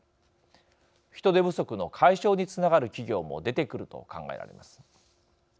人手不足の解消につながる企業も出てくると考えられます。